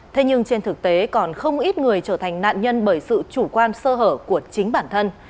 thế nhưng trên thực tế còn không ít người trở thành nạn nhân bởi sự chủ quan sơ hở của chính bản thân